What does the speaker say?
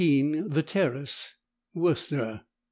THE TERRACE, WORCESTER.